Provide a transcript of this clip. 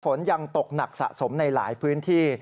ฝนยังตกหนักสะสมในหลายพื้นที่